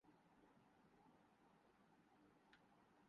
اس video میں نہ صرف ان دونوں